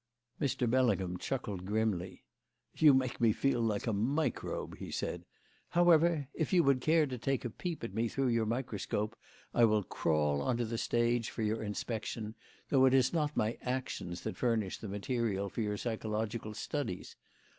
Mr. Bellingham chuckled grimly. "You make me feel like a microbe," he said. "However, if you would care to take a peep at me through your microscope, I will crawl on to the stage for your inspection, though it is not my actions that furnish the materials for your psychological studies.